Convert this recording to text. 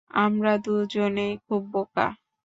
আমরা দুজনেই খুব বোকা।